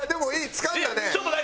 つかんだね。